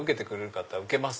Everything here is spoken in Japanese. って言ったら受けます！